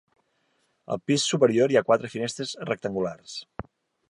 Al pis superior hi ha quatre finestres rectangulars.